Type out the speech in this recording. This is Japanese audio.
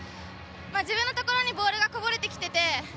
自分のところにボールが、こぼれてきてて。